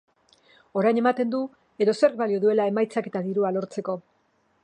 Orain ematen du edozerk balio duela emaitzak eta dirua lortzeko.